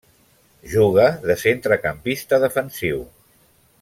Juga de centrecampista defensiu.